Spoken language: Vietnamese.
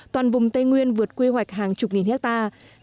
toàn vùng tây nguyên vượt quy hoạch hàng chục nghìn hectare